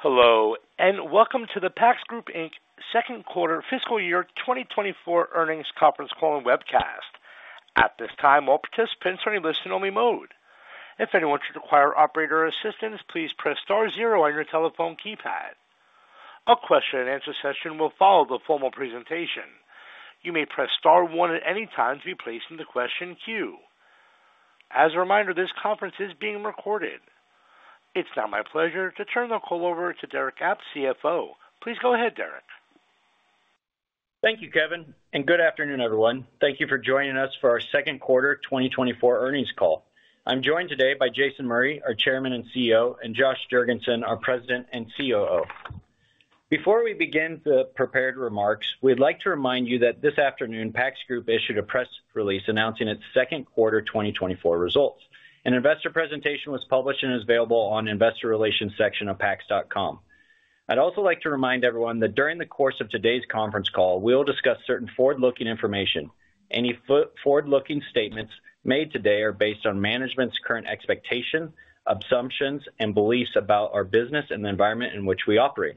Hello, and welcome to the PACS Group, Inc. second quarter fiscal year 2024 earnings conference call and webcast. At this time, all participants are in listen-only mode. If anyone should require operator assistance, please press star zero on your telephone keypad. A question-and-answer session will follow the formal presentation. You may press star one at any time to be placed in the question queue. As a reminder, this conference is being recorded. It's now my pleasure to turn the call over to Derick Apt, CFO. Please go ahead, Derick. Thank you, Kevin, and good afternoon, everyone. Thank you for joining us for our second quarter 2024 earnings call. I'm joined today by Jason Murray, our Chairman and CEO, and Josh Jergensen, our President and COO. Before we begin the prepared remarks, we'd like to remind you that this afternoon, PACS Group issued a press release announcing its second quarter 2024 results. An investor presentation was published and is available on Investor Relations section of pacs.com. I'd also like to remind everyone that during the course of today's conference call, we'll discuss certain forward-looking information. Any forward-looking statements made today are based on management's current expectations, assumptions, and beliefs about our business and the environment in which we operate.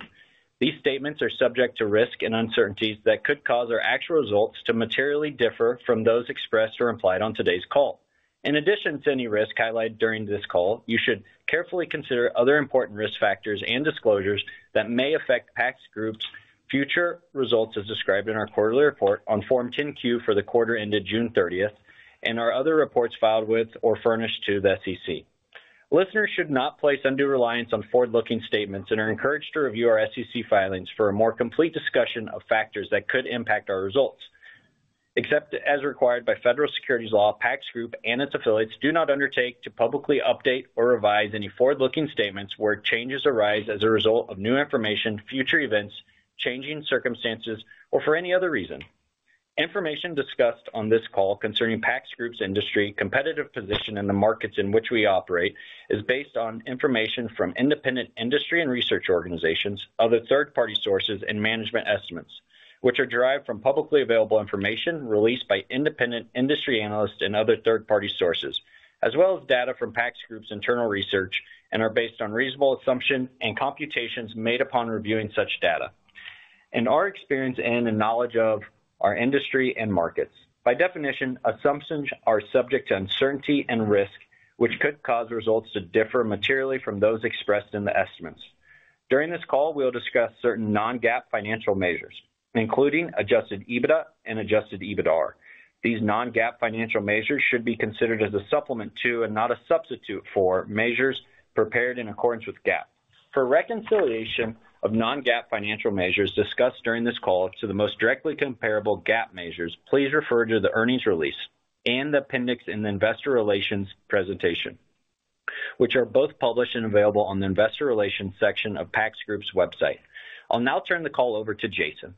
These statements are subject to risks and uncertainties that could cause our actual results to materially differ from those expressed or implied on today's call. In addition to any risk highlighted during this call, you should carefully consider other important risk factors and disclosures that may affect PACS Group's future results, as described in our quarterly report on Form 10-Q for the quarter ended June 30, and our other reports filed with, or furnished to the SEC. Listeners should not place undue reliance on forward-looking statements and are encouraged to review our SEC filings for a more complete discussion of factors that could impact our results. Except as required by federal securities law, PACS Group and its affiliates do not undertake to publicly update or revise any forward-looking statements where changes arise as a result of new information, future events, changing circumstances, or for any other reason. Information discussed on this call concerning PACS Group's industry, competitive position in the markets in which we operate, is based on information from independent industry and research organizations, other third-party sources, and management estimates, which are derived from publicly available information released by independent industry analysts and other third-party sources, as well as data from PACS Group's internal research, and are based on reasonable assumptions and computations made upon reviewing such data and our experience and the knowledge of our industry and markets. By definition, assumptions are subject to uncertainty and risk, which could cause results to differ materially from those expressed in the estimates. During this call, we'll discuss certain non-GAAP financial measures, including adjusted EBITDA and adjusted EBITDAR. These non-GAAP financial measures should be considered as a supplement to, and not a substitute for, measures prepared in accordance with GAAP. For reconciliation of non-GAAP financial measures discussed during this call to the most directly comparable GAAP measures, please refer to the earnings release and the appendix in the investor relations presentation, which are both published and available on the investor relations section of PACS Group's website. I'll now turn the call over to Jason.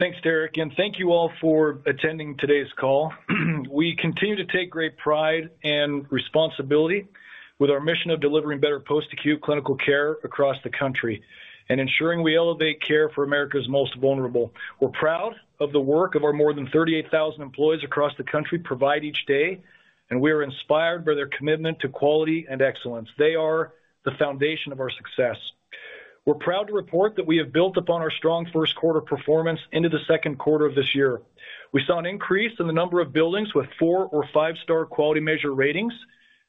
Thanks, Derick, and thank you all for attending today's call. We continue to take great pride and responsibility with our mission of delivering better post-acute clinical care across the country and ensuring we elevate care for America's most vulnerable. We're proud of the work of our more than 38,000 employees across the country provide each day, and we are inspired by their commitment to quality and excellence. They are the foundation of our success. We're proud to report that we have built upon our strong first quarter performance into the second quarter of this year. We saw an increase in the number of buildings with 4- or 5-star quality measure ratings,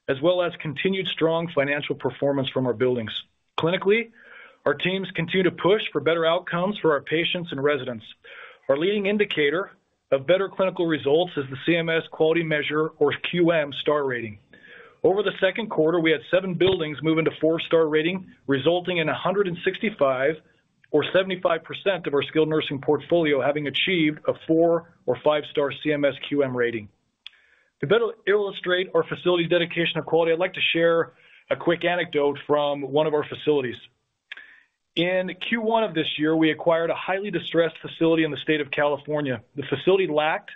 as well as continued strong financial performance from our buildings. Clinically, our teams continue to push for better outcomes for our patients and residents. Our leading indicator of better clinical results is the CMS Quality Measure, or QM, Star Rating. Over the second quarter, we had 7 buildings move into 4-star rating, resulting in 165 or 75% of our skilled nursing portfolio having achieved a 4- or 5-star CMS QM rating. To better illustrate our facility's dedication to quality, I'd like to share a quick anecdote from one of our facilities. In Q1 of this year, we acquired a highly distressed facility in the state of California. The facility lacked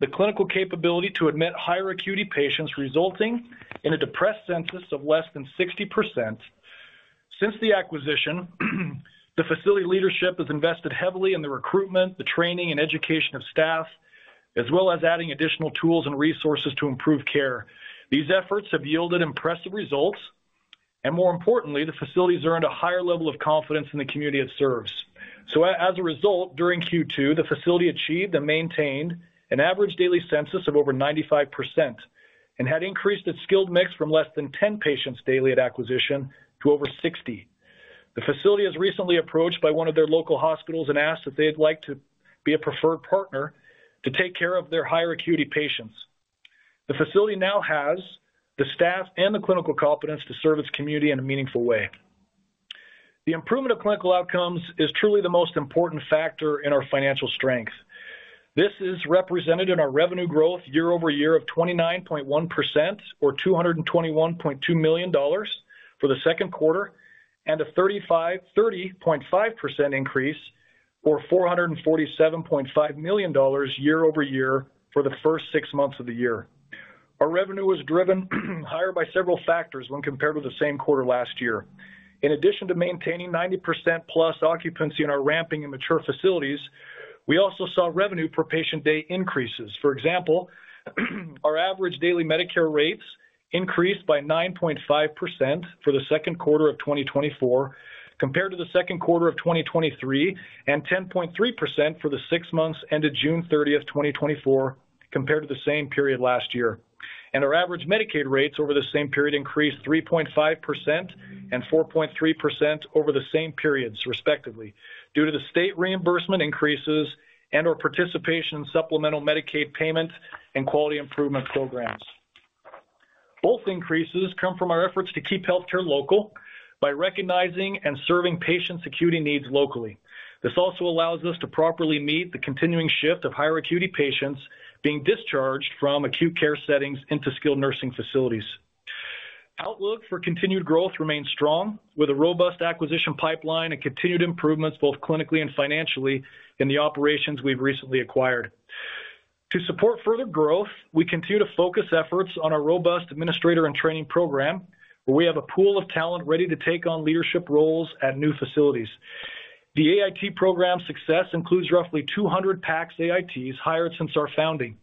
the clinical capability to admit higher acuity patients, resulting in a depressed census of less than 60%. Since the acquisition, the facility leadership has invested heavily in the recruitment, the training, and education of staff, as well as adding additional tools and resources to improve care. These efforts have yielded impressive results, and more importantly, the facilities earned a higher level of confidence in the community it serves. So as a result, during Q2, the facility achieved and maintained an average daily census of over 95% and had increased its skilled mix from less than 10 patients daily at acquisition to over 60. The facility was recently approached by one of their local hospitals and asked if they'd like to be a preferred partner to take care of their higher acuity patients. The facility now has the staff and the clinical confidence to serve its community in a meaningful way. The improvement of clinical outcomes is truly the most important factor in our financial strength. This is represented in our revenue growth year-over-year of 29.1% or $221.2 million for the second quarter, and a 30.5% increase or $447.5 million year-over-year for the first six months of the year. Our revenue was driven higher by several factors when compared with the same quarter last year. In addition to maintaining 90%+ occupancy in our ramping and mature facilities,... We also saw revenue per patient day increases. For example, our average daily Medicare rates increased by 9.5% for the second quarter of 2024, compared to the second quarter of 2023, and 10.3% for the six months ended June 30th, 2024, compared to the same period last year. Our average Medicaid rates over the same period increased 3.5% and 4.3% over the same periods, respectively, due to the state reimbursement increases and/or participation in supplemental Medicaid payments and quality improvement programs. Both increases come from our efforts to keep healthcare local by recognizing and serving patients' acuity needs locally. This also allows us to properly meet the continuing shift of higher acuity patients being discharged from acute care settings into skilled nursing facilities. Outlook for continued growth remains strong, with a robust acquisition pipeline and continued improvements, both clinically and financially, in the operations we've recently acquired. To support further growth, we continue to focus efforts on our robust administrator and training program, where we have a pool of talent ready to take on leadership roles at new facilities. The AIT program's success includes roughly 200 PACS AITs hired since our founding,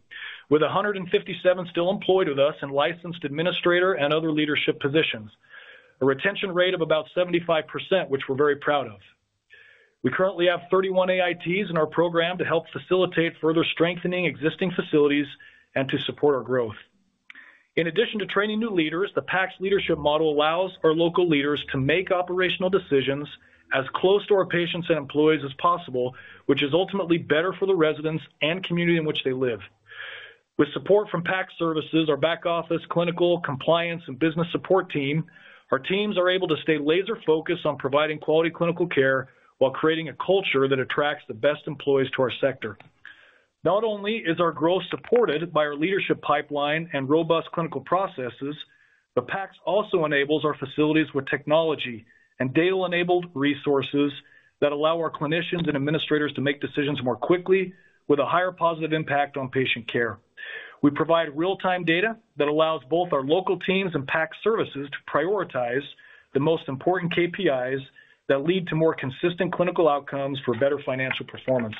with 157 still employed with us in licensed administrator and other leadership positions, a retention rate of about 75%, which we're very proud of. We currently have 31 AITs in our program to help facilitate further strengthening existing facilities and to support our growth. In addition to training new leaders, the PACS leadership model allows our local leaders to make operational decisions as close to our patients and employees as possible, which is ultimately better for the residents and community in which they live. With support from PACS Services, our back office, clinical, compliance, and business support team, our teams are able to stay laser focused on providing quality clinical care while creating a culture that attracts the best employees to our sector. Not only is our growth supported by our leadership pipeline and robust clinical processes, but PACS also enables our facilities with technology and data-enabled resources that allow our clinicians and administrators to make decisions more quickly with a higher positive impact on patient care. We provide real-time data that allows both our local teams and PACS Services to prioritize the most important KPIs that lead to more consistent clinical outcomes for better financial performance.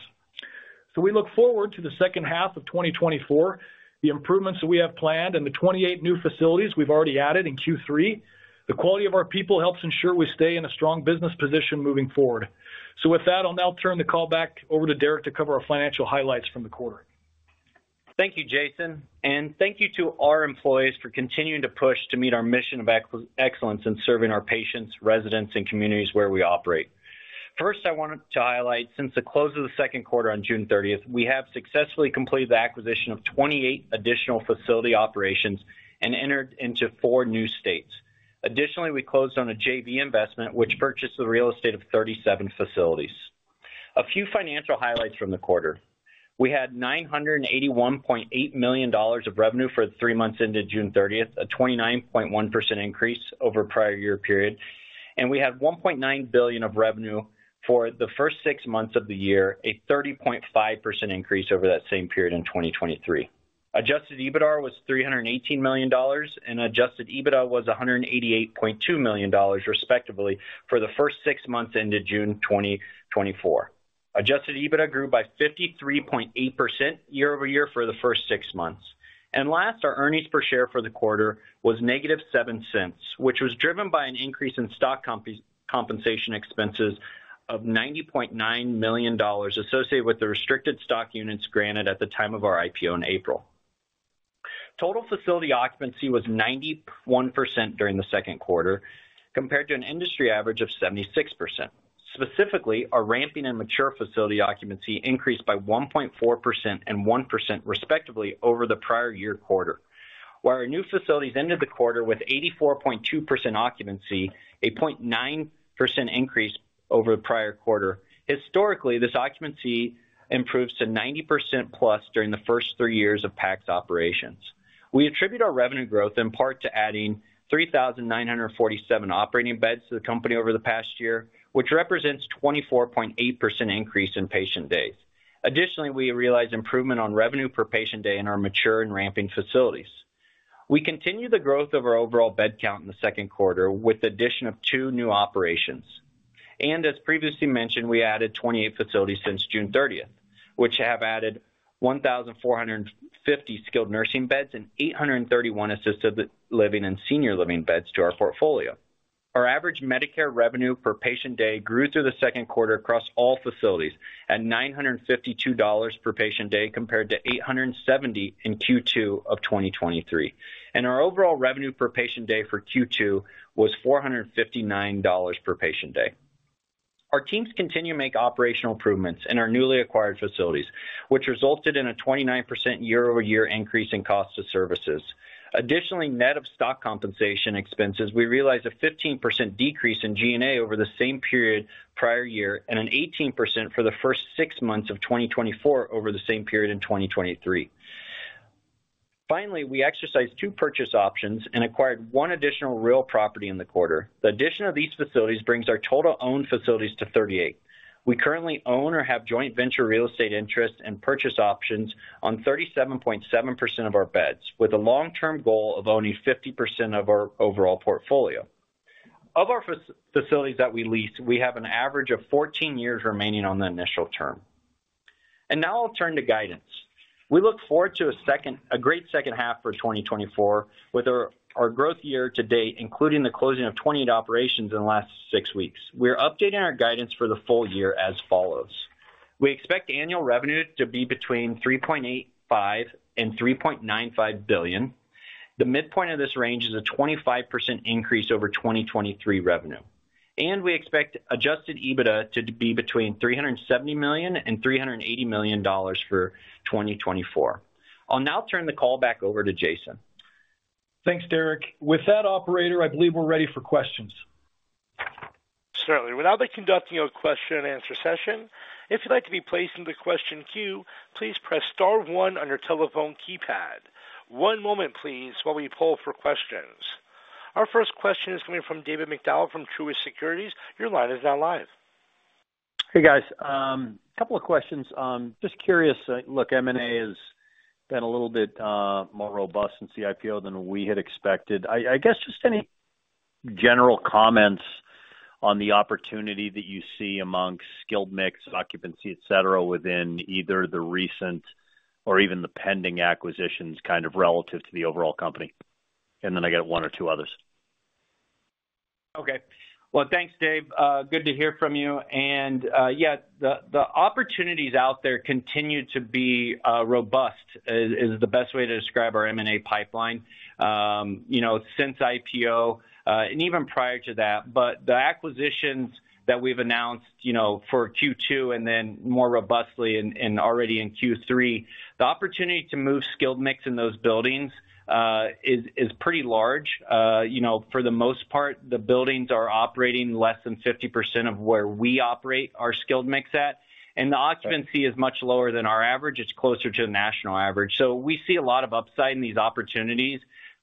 So we look forward to the second half of 2024, the improvements that we have planned and the 28 new facilities we've already added in Q3. The quality of our people helps ensure we stay in a strong business position moving forward. So with that, I'll now turn the call back over to Derick to cover our financial highlights from the quarter. Thank you, Jason, and thank you to our employees for continuing to push to meet our mission of excellence in serving our patients, residents, and communities where we operate. First, I wanted to highlight, since the close of the second quarter on June 30, we have successfully completed the acquisition of 28 additional facility operations and entered into four new states. Additionally, we closed on a JV investment, which purchased the real estate of 37 facilities. A few financial highlights from the quarter: We had $981.8 million of revenue for the three months ended June 30, a 29.1% increase over prior year period, and we had $1.9 billion of revenue for the first six months of the year, a 30.5% increase over that same period in 2023. Adjusted EBITDAR was $318 million, and adjusted EBITDA was $188.2 million, respectively, for the first six months ended June 2024. Adjusted EBITDA grew by 53.8% year-over-year for the first six months. Last, our earnings per share for the quarter was -$0.07, which was driven by an increase in stock compensation expenses of $90.9 million, associated with the restricted stock units granted at the time of our IPO in April. Total facility occupancy was 91% during the second quarter, compared to an industry average of 76%. Specifically, our ramping and mature facility occupancy increased by 1.4% and 1%, respectively, over the prior year quarter. While our new facilities ended the quarter with 84.2% occupancy, a 0.9% increase over the prior quarter. Historically, this occupancy improves to 90% plus during the first 3 years of PACS operations. We attribute our revenue growth in part to adding 3,947 operating beds to the company over the past year, which represents 24.8% increase in patient days. Additionally, we realized improvement on revenue per patient day in our mature and ramping facilities. We continue the growth of our overall bed count in the second quarter, with the addition of 2 new operations. As previously mentioned, we added 28 facilities since June thirtieth, which have added 1,450 skilled nursing beds and 831 assisted living and senior living beds to our portfolio. Our average Medicare revenue per patient day grew through the second quarter across all facilities at $952 per patient day, compared to $870 in Q2 of 2023, and our overall revenue per patient day for Q2 was $459 per patient day. Our teams continue to make operational improvements in our newly acquired facilities, which resulted in a 29% year-over-year increase in cost of services. Additionally, net of stock compensation expenses, we realized a 15% decrease in G&A over the same period prior year, and an 18% for the first six months of 2024 over the same period in 2023. Finally, we exercised 2 purchase options and acquired 1 additional real property in the quarter. The addition of these facilities brings our total owned facilities to 38. We currently own or have joint venture real estate interests and purchase options on 37.7% of our beds, with a long-term goal of owning 50% of our overall portfolio. Of our facilities that we lease, we have an average of 14 years remaining on the initial term. Now I'll turn to guidance. We look forward to a great second half for 2024, with our growth year-to-date, including the closing of 28 operations in the last 6 weeks. We're updating our guidance for the full year as follows: We expect annual revenue to be between $3.85 billion and $3.95 billion. The midpoint of this range is a 25% increase over 2023 revenue, and we expect Adjusted EBITDA to be between $370 million and $380 million for 2024.I'll now turn the call back over to Jason. Thanks, Derick. With that, operator, I believe we're ready for questions. Certainly. We'll now be conducting a question-and-answer session. If you'd like to be placed into the question queue, please press star one on your telephone keypad. One moment, please, while we poll for questions. Our first question is coming from David MacDonald from Truist Securities. Your line is now live. Hey, guys. Couple of questions. Just curious, look, M&A has been a little bit more robust in post-IPO than we had expected. I guess, just any general comments on the opportunity that you see amongst skilled mix, occupancy, et cetera, within either the recent or even the pending acquisitions, kind of relative to the overall company? Then I got one or two others. Okay. Well, thanks, Dave. Good to hear from you. And yeah, the opportunities out there continue to be robust, is the best way to describe our M&A pipeline. You know, since IPO and even prior to that. But the acquisitions that we've announced, you know, for Q2 and then more robustly and already in Q3, the opportunity to move skilled mix in those buildings is pretty large. You know, for the most part, the buildings are operating less than 50% of where we operate our skilled mix at, and the occupancy is much lower than our average. It's closer to the national average. So we see a lot of upside in these opportunities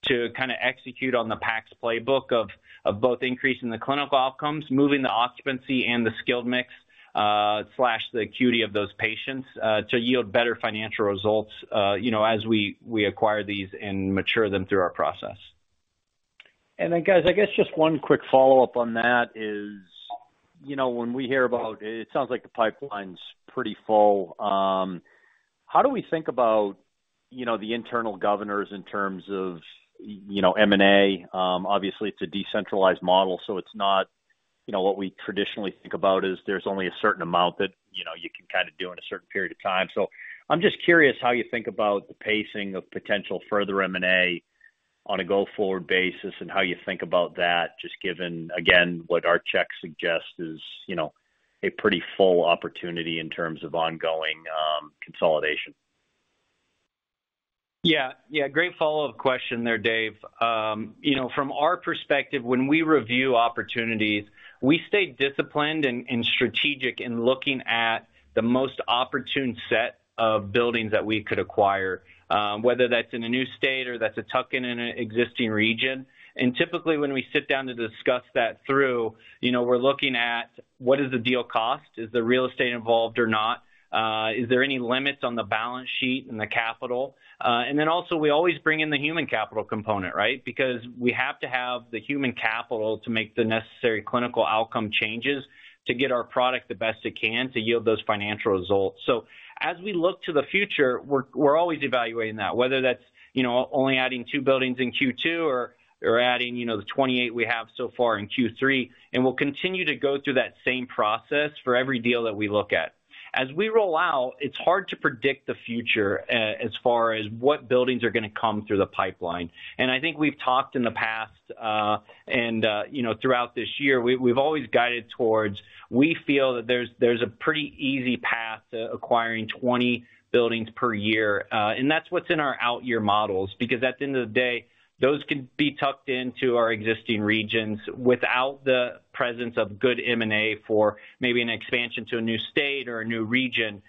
to kinda execute on the PACS playbook of, of both increasing the clinical outcomes, moving the occupancy and the skilled mix, slash the acuity of those patients, to yield better financial results, you know, as we, we acquire these and mature them through our process. And then, guys, I guess just one quick follow-up on that is, you know, when we hear about it. It sounds like the pipeline's pretty full. How do we think about, you know, the internal governors in terms of, you know, M&A? Obviously, it's a decentralized model, so it's not, you know, what we traditionally think about is there's only a certain amount that, you know, you can kinda do in a certain period of time. So I'm just curious how you think about the pacing of potential further M&A on a go-forward basis and how you think about that, just given, again, what our check suggests is, you know, a pretty full opportunity in terms of ongoing consolidation. Yeah. Yeah, great follow-up question there, Dave. You know, from our perspective, when we review opportunities, we stay disciplined and strategic in looking at the most opportune set of buildings that we could acquire, whether that's in a new state or that's a tuck-in in an existing region. And typically, when we sit down to discuss that through, you know, we're looking at what is the deal cost? Is there real estate involved or not? Is there any limits on the balance sheet and the capital? And then also, we always bring in the human capital component, right? Because we have to have the human capital to make the necessary clinical outcome changes to get our product the best it can to yield those financial results. So as we look to the future, we're, we're always evaluating that, whether that's, you know, only adding 2 buildings in Q2 or, or adding, you know, the 28 we have so far in Q3. And we'll continue to go through that same process for every deal that we look at. As we roll out, it's hard to predict the future, as far as what buildings are gonna come through the pipeline. And I think we've talked in the past, and, you know, throughout this year, we've, we've always guided towards, we feel that there's, there's a pretty easy path to acquiring 20 buildings per year. And that's what's in our out-year models, because at the end of the day, those can be tucked into our existing regions without the presence of good M&A for maybe an expansion to a new state or a new region,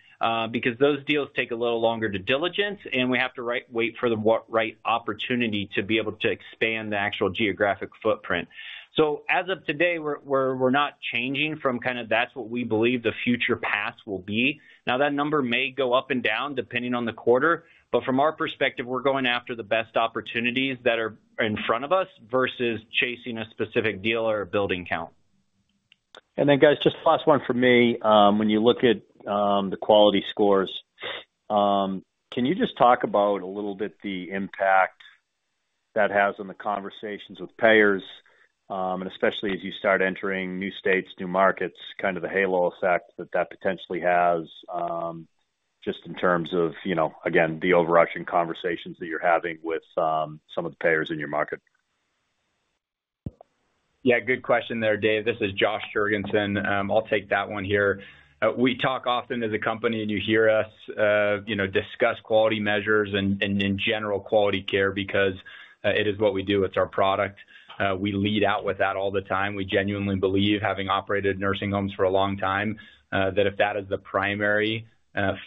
because those deals take a little longer to diligence, and we have to wait for the right opportunity to be able to expand the actual geographic footprint. So as of today, we're not changing from kinda that's what we believe the future paths will be. Now, that number may go up and down, depending on the quarter, but from our perspective, we're going after the best opportunities that are in front of us versus chasing a specific deal or a building count. And then, guys, just last one for me. When you look at the quality scores, can you just talk about a little bit the impact that has on the conversations with payers, and especially as you start entering new states, new markets, kind of the halo effect that that potentially has, just in terms of, you know, again, the overarching conversations that you're having with some of the payers in your market? Yeah, good question there, Dave. This is Josh Jergensen. I'll take that one here. We talk often as a company, and you hear us, you know, discuss quality measures and in general, quality care, because it is what we do. It's our product. We lead out with that all the time. We genuinely believe, having operated nursing homes for a long time, that if that is the primary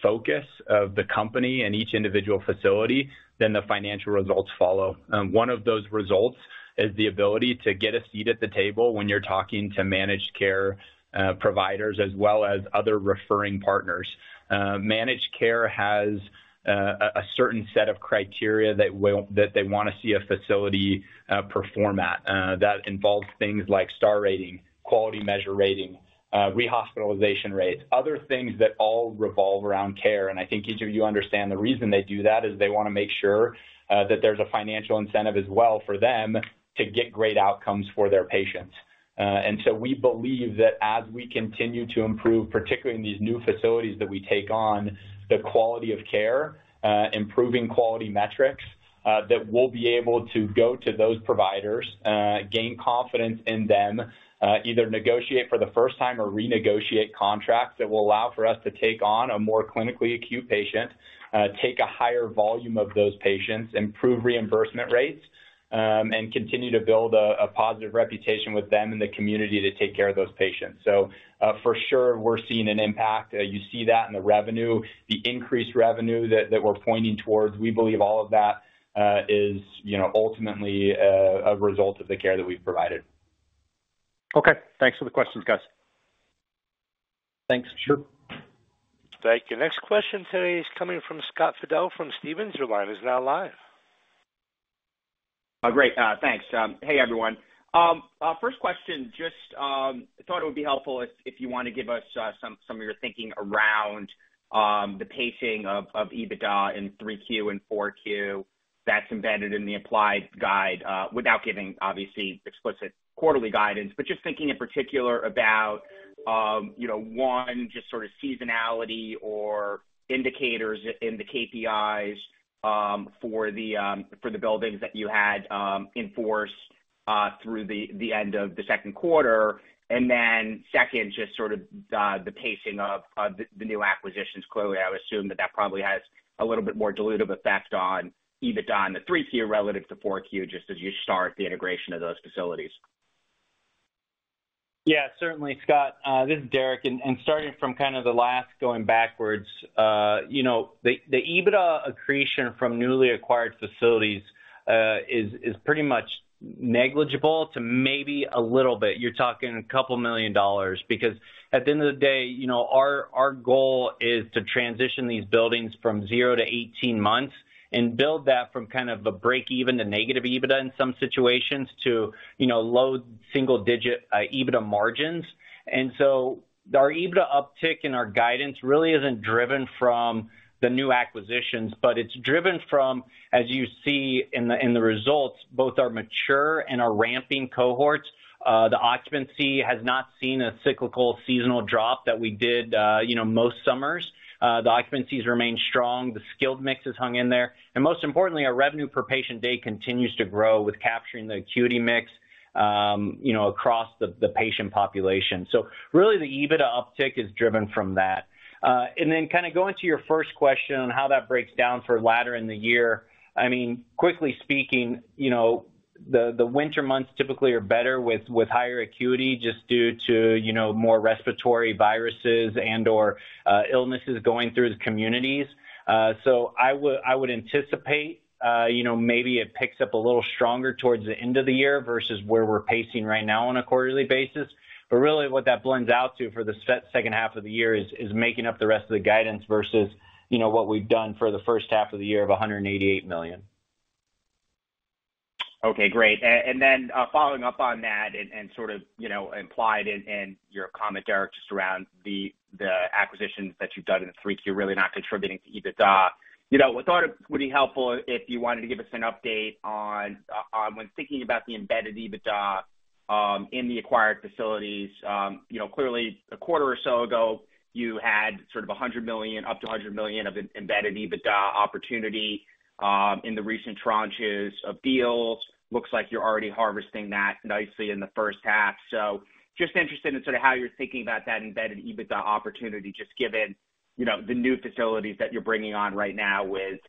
focus of the company and each individual facility, then the financial results follow. One of those results is the ability to get a seat at the table when you're talking to managed care providers, as well as other referring partners. Managed care has a certain set of criteria that will—that they wanna see a facility perform at. That involves things like star rating, quality measure rating, rehospitalization rates, other things that all revolve around care. I think each of you understand the reason they do that is they wanna make sure that there's a financial incentive as well for them to get great outcomes for their patients. And so we believe that as we continue to improve, particularly in these new facilities that we take on, the quality of care, improving quality metrics, that we'll be able to go to those providers, gain confidence in them either negotiate for the first time or renegotiate contracts that will allow for us to take on a more clinically acute patient, take a higher volume of those patients, improve reimbursement rates, and continue to build a, a positive reputation with them in the community to take care of those patients. So, for sure, we're seeing an impact. You see that in the revenue. The increased revenue that we're pointing towards, we believe all of that is, you know, ultimately, a result of the care that we've provided. Okay, thanks for the questions, guys. Thanks. Sure. Thank you. Next question today is coming from Scott Fidel from Stephens. Your line is now live. Great, thanks. Hey, everyone. First question, just, I thought it would be helpful if you want to give us some of your thinking around the pacing of EBITDA in 3Q and 4Q that's embedded in the implied guide, without giving, obviously, explicit quarterly guidance. But just thinking in particular about, you know, one, just sort of seasonality or indicators in the KPIs for the buildings that you had in force through the end of the second quarter. And then second, just sort of the pacing of the new acquisitions. Clearly, I would assume that that probably has a little bit more dilutive effect on EBITDA in 3Q relative to 4Q, just as you start the integration of those facilities. Yeah, certainly, Scott. This is Derick, and starting from kind of the last going backwards, you know, the EBITDA accretion from newly acquired facilities is pretty much negligible to maybe a little bit. You're talking $2 million, because at the end of the day, you know, our goal is to transition these buildings from 0 to 18 months and build that from kind of a break even to negative EBITDA in some situations to, you know, low single-digit EBITDA margins. And so our EBITDA uptick in our guidance really isn't driven from the new acquisitions, but it's driven from, as you see in the results, both our mature and our ramping cohorts. The occupancy has not seen a cyclical seasonal drop that we did, you know, most summers. The occupancies remain strong, the skilled mix has hung in there. Most importantly, our revenue per patient day continues to grow with capturing the acuity mix, you know, across the, the patient population. So really, the EBITDA uptick is driven from that. And then kind of going to your first question on how that breaks down for later in the year, I mean, quickly speaking, you know, the, the winter months typically are better with, with higher acuity just due to, you know, more respiratory viruses and/or, illnesses going through the communities. So I would, I would anticipate, you know, maybe it picks up a little stronger towards the end of the year versus where we're pacing right now on a quarterly basis. But really, what that blends out to for the second half of the year is making up the rest of the guidance versus, you know, what we've done for the first half of the year of $188 million. Okay, great. And then, following up on that and, sort of, you know, implied in your comment, Derick, just around the acquisitions that you've done in the 3Q, really not contributing to EBITDA. You know, we thought it would be helpful if you wanted to give us an update on when thinking about the embedded EBITDA in the acquired facilities. You know, clearly, a quarter or so ago, you had sort of $100 million, up to $100 million of embedded EBITDA opportunity in the recent tranches of deals. Looks like you're already harvesting that nicely in the first half. So just interested in sort of how you're thinking about that embedded EBITDA opportunity, just given, you know, the new facilities that you're bringing on right now with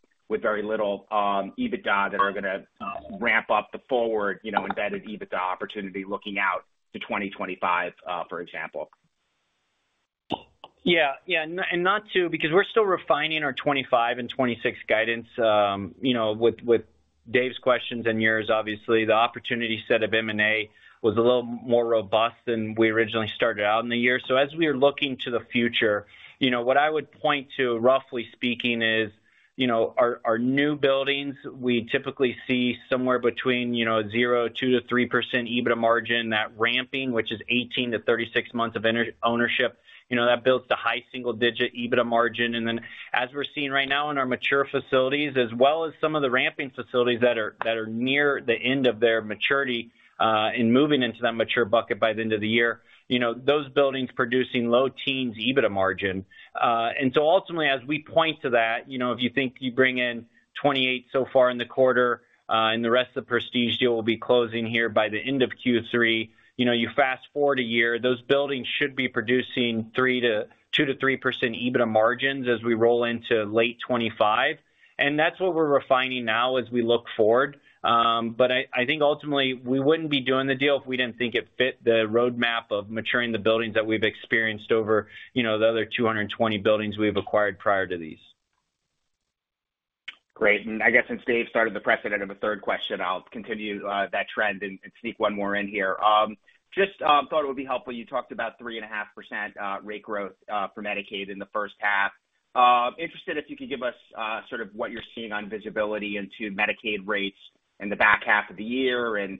very little EBITDA that are gonna ramp up the forward, you know, embedded EBITDA opportunity looking out to 2025, for example. Yeah. Yeah, and not to—because we're still refining our 25 and 26 guidance, you know, with Dave's questions and yours, obviously, the opportunity set of M&A was a little more robust than we originally started out in the year. So as we are looking to the future, you know, what I would point to, roughly speaking, is, you know, our, our new buildings, we typically see somewhere between, you know, 0, 2-3% EBITDA margin. That ramping, which is 18-36 months of ownership, you know, that builds to high single digit EBITDA margin. And then, as we're seeing right now in our mature facilities, as well as some of the ramping facilities that are near the end of their maturity, in moving into that mature bucket by the end of the year, you know, those buildings producing low-teens EBITDA margin. And so ultimately, as we point to that, you know, if you think you bring in 28 so far in the quarter, and the rest of the Prestige deal will be closing here by the end of Q3, you know, you fast forward a year, those buildings should be producing 2%-3% EBITDA margins as we roll into late 2025. And that's what we're refining now as we look forward. But I think ultimately, we wouldn't be doing the deal if we didn't think it fit the roadmap of maturing the buildings that we've experienced over, you know, the other 220 buildings we've acquired prior to these. Great. And I guess since Dave started the precedent of a third question, I'll continue that trend and sneak one more in here. Just thought it would be helpful. You talked about 3.5% rate growth for Medicaid in the first half. Interested if you could give us sort of what you're seeing on visibility into Medicaid rates in the back half of the year and,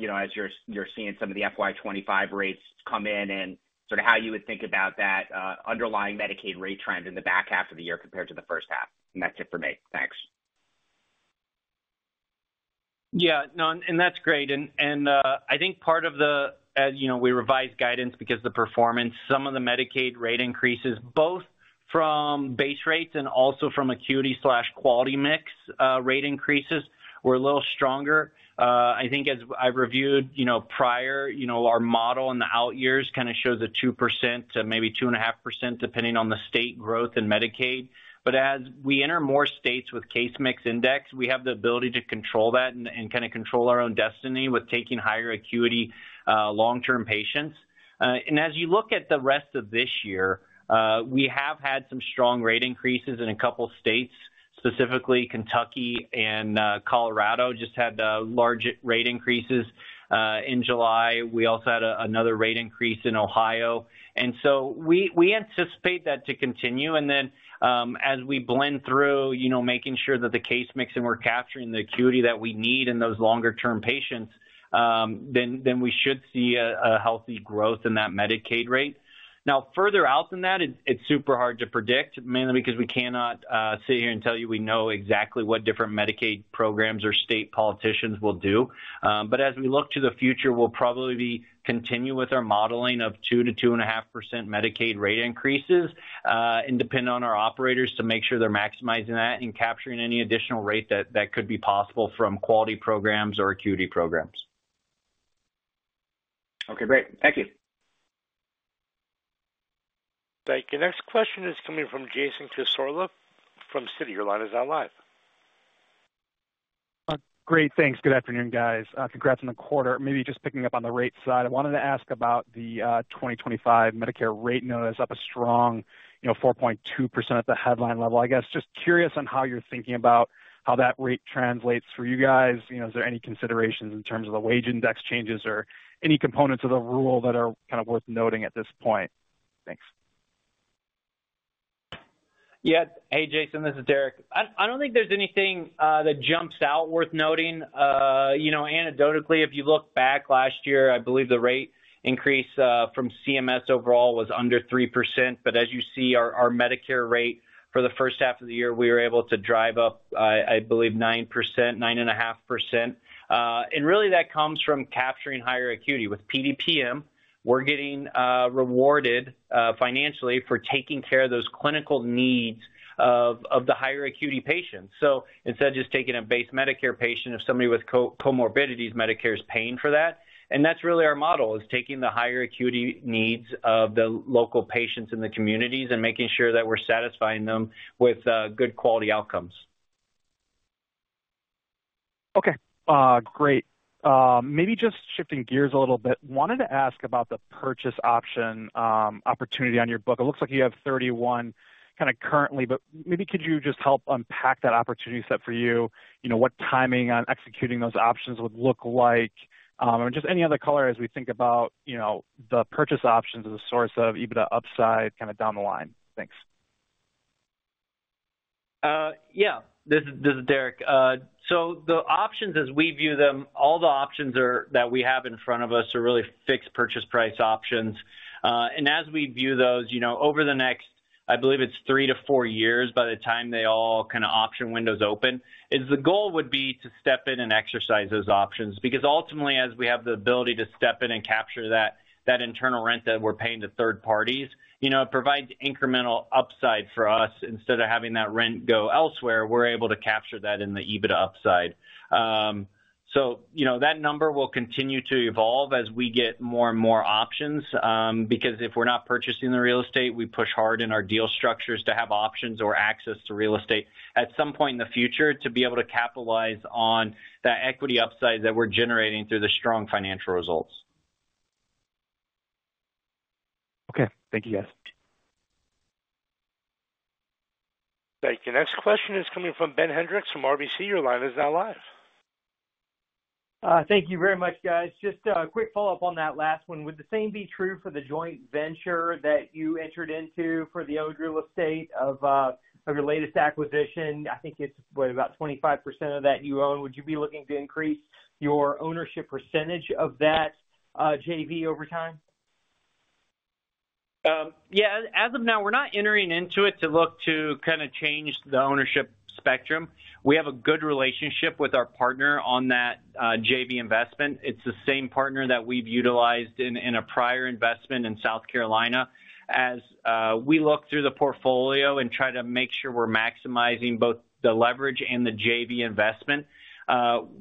you know, as you're seeing some of the FY 2025 rates come in, and sort of how you would think about that underlying Medicaid rate trend in the back half of the year compared to the first half. And that's it for me. Thanks. Yeah, no, and that's great. And, and, I think part of the—as you know, we revised guidance because the performance, some of the Medicaid rate increases, both from base rates and also from acuity/quality mix, rate increases were a little stronger. I think as I've reviewed, you know, prior, you know, our model in the out years kind of shows a 2% to maybe 2.5%, depending on the state growth in Medicaid. But as we enter more states with Case Mix Index, we have the ability to control that and, and kind of control our own destiny with taking higher acuity, long-term patients. And as you look at the rest of this year, we have had some strong rate increases in a couple of states, specifically Kentucky and Colorado just had large rate increases in July. We also had another rate increase in Ohio, and so we anticipate that to continue. And then, as we blend through, you know, making sure that the case mix and we're capturing the acuity that we need in those longer-term patients, then we should see a healthy growth in that Medicaid rate. Now, further out than that, it's super hard to predict, mainly because we cannot sit here and tell you we know exactly what different Medicaid programs or state politicians will do. As we look to the future, we'll probably be continue with our modeling of 2%-2.5% Medicaid rate increases, and depend on our operators to make sure they're maximizing that and capturing any additional rate that could be possible from quality programs or acuity programs. Okay, great. Thank you. Thank you. Next question is coming from Jason Cassorla from Citi. Your line is now live. Great, thanks. Good afternoon, guys. Congrats on the quarter. Maybe just picking up on the rate side, I wanted to ask about the 2025 Medicare rate notice, up a strong, you know, 4.2% at the headline level. I guess, just curious on how you're thinking about how that rate translates for you guys. You know, is there any considerations in terms of the wage index changes or any components of the rule that are kind of worth noting at this point? Thanks. Yeah. Hey, Jason, this is Derek. I don't think there's anything that jumps out worth noting. You know, anecdotally, if you look back last year, I believe the rate increase from CMS overall was under 3%. But as you see, our Medicare rate for the first half of the year, we were able to drive up, I believe 9%, 9.5%. And really, that comes from capturing higher acuity. With PDPM, we're getting rewarded financially for taking care of those clinical needs of the higher acuity patients. So instead of just taking a base Medicare patient, if somebody with co-morbidities, Medicare is paying for that. That's really our model, is taking the higher acuity needs of the local patients in the communities and making sure that we're satisfying them with good quality outcomes. Okay, great. Maybe just shifting gears a little bit, wanted to ask about the purchase option opportunity on your book. It looks like you have 31 kind of currently, but maybe could you just help unpack that opportunity set for you? You know, what timing on executing those options would look like, and just any other color as we think about, you know, the purchase options as a source of EBITDA upside, kind of down the line? Thanks. Yeah. This is Derick. So the options, as we view them, all the options that we have in front of us are really fixed purchase price options. And as we view those, you know, over the next, I believe it's 3-4 years, by the time they all kind of option windows open, is the goal would be to step in and exercise those options, because ultimately, as we have the ability to step in and capture that internal rent that we're paying to third parties, you know, it provides incremental upside for us. Instead of having that rent go elsewhere, we're able to capture that in the EBITDA upside. So, you know, that number will continue to evolve as we get more and more options, because if we're not purchasing the real estate, we push hard in our deal structures to have options or access to real estate at some point in the future, to be able to capitalize on that equity upside that we're generating through the strong financial results. Okay. Thank you, guys. Thank you. Next question is coming from Ben Hendrix from RBC. Your line is now live. Thank you very much, guys. Just, a quick follow-up on that last one. Would the same be true for the joint venture that you entered into for the owned real estate of your latest acquisition? I think it's, what, about 25% of that you own. Would you be looking to increase your ownership percentage of that, JV over time? Yeah, as of now, we're not entering into it to look to kind of change the ownership spectrum. We have a good relationship with our partner on that, JV investment. It's the same partner that we've utilized in a prior investment in South Carolina. As we look through the portfolio and try to make sure we're maximizing both the leverage and the JV investment,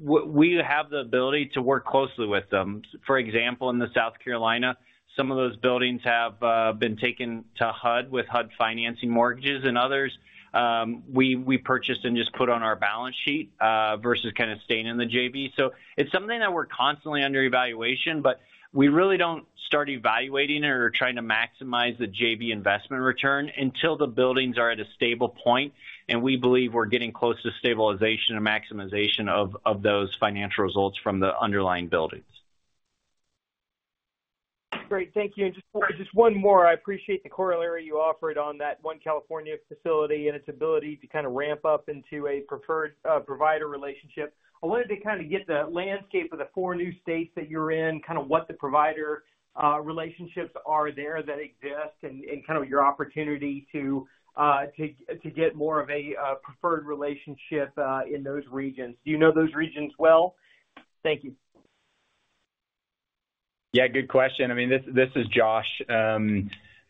we have the ability to work closely with them. For example, in the South Carolina, some of those buildings have been taken to HUD with HUD financing mortgages and others, we purchased and just put on our balance sheet, versus kind of staying in the JV. It's something that we're constantly under evaluation, but we really don't start evaluating or trying to maximize the JV investment return until the buildings are at a stable point, and we believe we're getting close to stabilization and maximization of those financial results from the underlying buildings. Great. Thank you. And just, just one more. I appreciate the corollary you offered on that one California facility and its ability to kind of ramp up into a preferred provider relationship. I wanted to kind of get the landscape of the four new states that you're in, kind of what the provider relationships are there that exist, and, and kind of your opportunity to get more of a preferred relationship in those regions. Do you know those regions well? Thank you. Yeah, good question. I mean, this is Josh.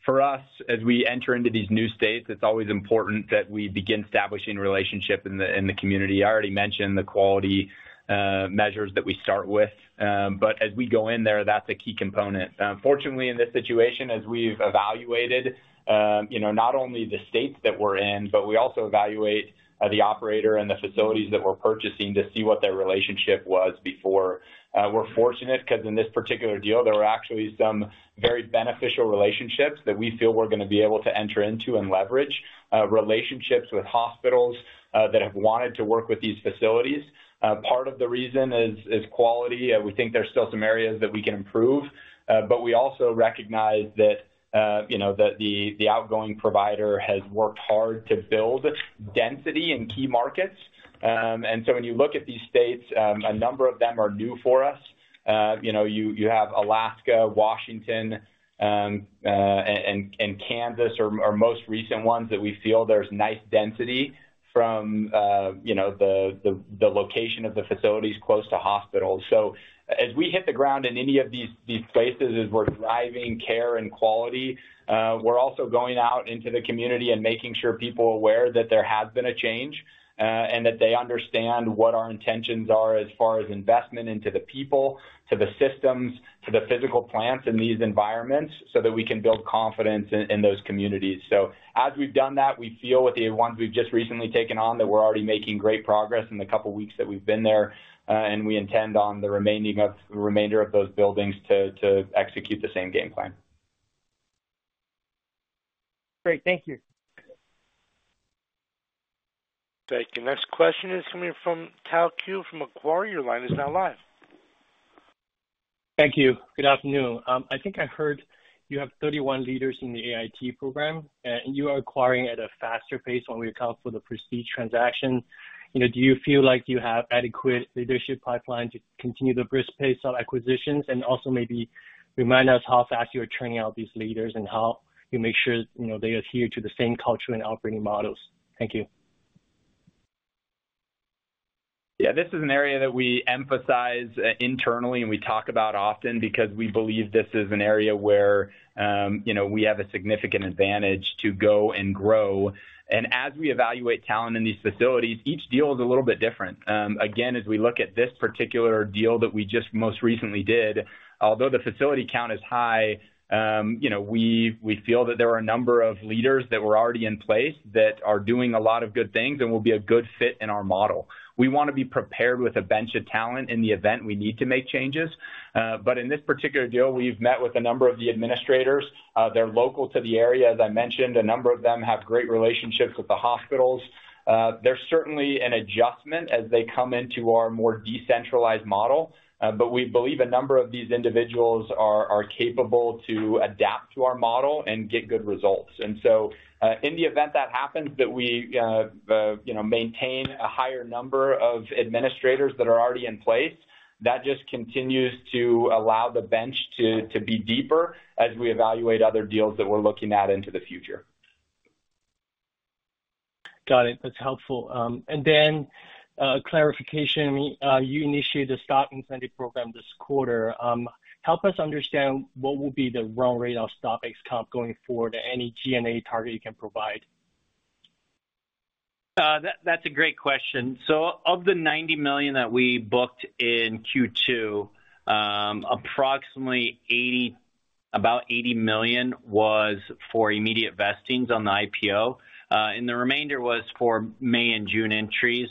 For us, as we enter into these new states, it's always important that we begin establishing relationship in the community. I already mentioned the quality measures that we start with, but as we go in there, that's a key component. Unfortunately, in this situation, as we've evaluated, you know, not only the states that we're in, but we also evaluate the operator and the facilities that we're purchasing to see what their relationship was before. We're fortunate because in this particular deal, there were actually some very beneficial relationships that we feel we're gonna be able to enter into and leverage relationships with hospitals that have wanted to work with these facilities. Part of the reason is quality. We think there's still some areas that we can improve, but we also recognize that, you know, the outgoing provider has worked hard to build density in key markets. And so when you look at these states, a number of them are new for us. You know, you have Alaska, Washington, and Kansas are most recent ones that we feel there's nice density from, you know, the location of the facilities close to hospitals. So as we hit the ground in any of these, these places, as we're driving care and quality, we're also going out into the community and making sure people are aware that there has been a change, and that they understand what our intentions are as far as investment into the people, to the systems, to the physical plants in these environments, so that we can build confidence in, in those communities. So as we've done that, we feel with the ones we've just recently taken on, that we're already making great progress in the couple of weeks that we've been there, and we intend on the remainder of those buildings to execute the same game plan. Great. Thank you. Thank you. Next question is coming from Tao Qiu from Macquarie. Your line is now live. Thank you. Good afternoon. I think I heard you have 31 leaders in the AIT program, and you are acquiring at a faster pace when we account for the Prestige transaction. You know, do you feel like you have adequate leadership pipeline to continue the brisk pace of acquisitions? And also maybe remind us how fast you are turning out these leaders and how you make sure, you know, they adhere to the same culture and operating models. Thank you. Yeah, this is an area that we emphasize internally, and we talk about often because we believe this is an area where, you know, we have a significant advantage to go and grow. As we evaluate talent in these facilities, each deal is a little bit different. Again, as we look at this particular deal that we just most recently did, although the facility count is high, you know, we feel that there are a number of leaders that were already in place that are doing a lot of good things and will be a good fit in our model. We want to be prepared with a bench of talent in the event we need to make changes. In this particular deal, we've met with a number of the administrators. They're local to the area, as I mentioned, a number of them have great relationships with the hospitals. There's certainly an adjustment as they come into our more decentralized model, but we believe a number of these individuals are capable to adapt to our model and get good results. And so, in the event that happens, that we, you know, maintain a higher number of administrators that are already in place, that just continues to allow the bench to be deeper as we evaluate other deals that we're looking at into the future. Got it. That's helpful. And then, clarification. You initiated a stock incentive program this quarter. Help us understand what will be the run rate of stock comp going forward, any G&A target you can provide? That's a great question. So of the $90 million that we booked in Q2, approximately about $80 million was for immediate vestings on the IPO, and the remainder was for May and June entries,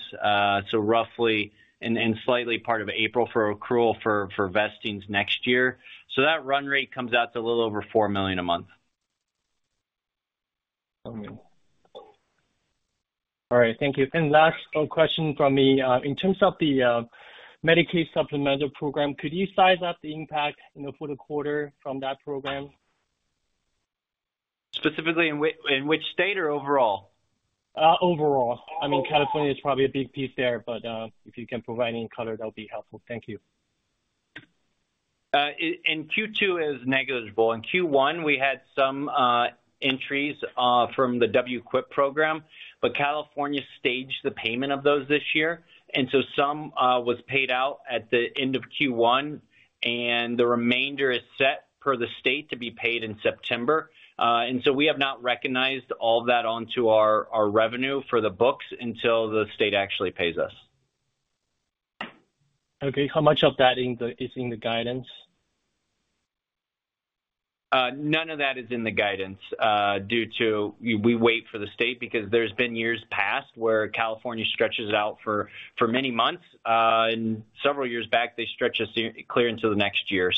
so roughly and slightly part of April for accrual for vestings next year. So that run rate comes out to a little over $4 million a month. All right. Thank you. Last question from me. In terms of the Medicaid supplemental program, could you size up the impact, you know, for the quarter from that program? Specifically, in which state or overall? Overall. I mean, California is probably a big piece there, but if you can provide any color, that would be helpful. Thank you. In Q2 is negligible. In Q1, we had some entries from the WQIP program, but California staged the payment of those this year, and so some was paid out at the end of Q1, and the remainder is set per the state to be paid in September. And so we have not recognized all of that onto our, our revenue for the books until the state actually pays us. Okay. How much of that is in the guidance? None of that is in the guidance, due to we, we wait for the state because there's been years past where California stretches it out for, for many months. Several years back, they stretched us clear into the next year.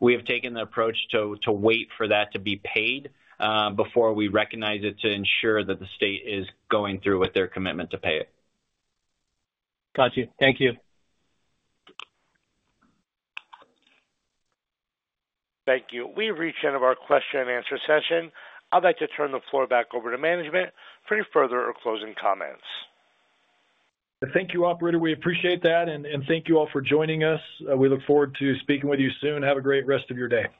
We have taken the approach to, to wait for that to be paid, before we recognize it, to ensure that the state is going through with their commitment to pay it. Got you. Thank you. Thank you. We've reached the end of our question and answer session. I'd like to turn the floor back over to management for any further or closing comments. Thank you, operator. We appreciate that, and thank you all for joining us. We look forward to speaking with you soon. Have a great rest of your day.